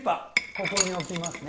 ここに置きますね